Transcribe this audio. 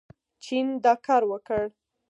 چین دا کار وکړ.